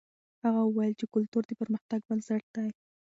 هغه وویل چې کلتور د پرمختګ بنسټ دی.